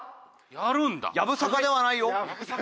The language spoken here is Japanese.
やぶさかではない。